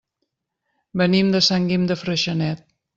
Venim de Sant Guim de Freixenet.